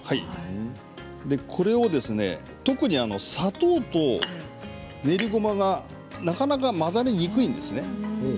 これをですね、特に砂糖と練りごまがなかなか混ざりにくいんですね。